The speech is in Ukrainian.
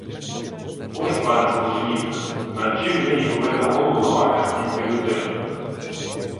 Ось, пане Солженіцин, над чим нині повинна голову ламати російська людина